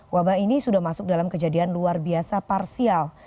wabah ini sudah masuk dalam kejadian luar biasa parsial